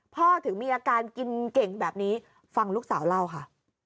ถึงมีอาการกินเก่งแบบนี้ฟังลูกสาวเล่าค่ะ